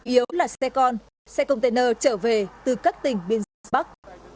yếu là xe con xe container trở về từ các tỉnh biên giới bắc